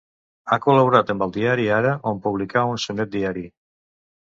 Ha col·laborat amb el diari Ara, on publicà un sonet diari.